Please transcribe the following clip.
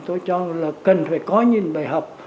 tôi cho là cần phải có những bài học